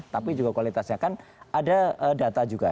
tapi juga kualitasnya kan ada data juga